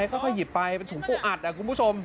กูอัดอ่ะคุณผู้ชม